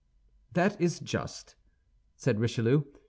"That is just," said Richelieu.